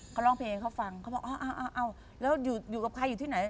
เขาร้องเพลงให้เขาฟังแล้วอยู่กับใครอยู่ที่ไหน